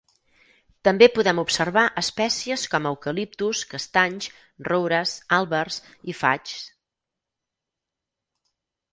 També podem observar espècies com eucaliptus, castanys, roures, àlbers i faigs.